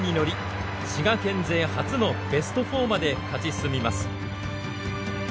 滋賀県勢初のベスト４まで勝ち進みます。